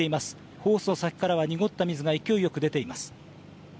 ホースの先からは濁った水が勢いよく出ています。